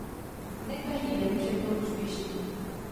Ne každý den však byl úspěšný.